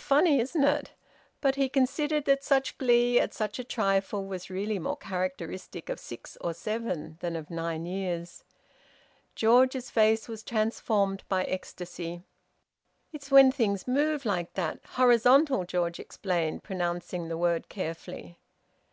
"Funny, isn't it?" But he considered that such glee at such a trifle was really more characteristic of six or seven than of nine years. George's face was transformed by ecstasy. "It's when things move like that horizontal!" George explained, pronouncing the word carefully.